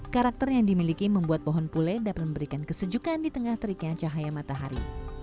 karakter yang dimiliki membuat pohon pule dapat memberikan kesejukan di tengah teriknya cahaya matahari